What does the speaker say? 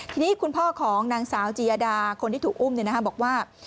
ทีนี้คุณพ่อของนางสาวจียดาคนที่ถูกอุ้มบอกว่า